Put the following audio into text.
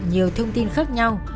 nhiều thông tin khác nhau